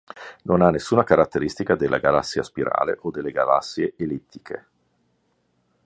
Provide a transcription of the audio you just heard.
Non ha nessuna caratteristica delle galassie a spirale o delle galassie ellittiche.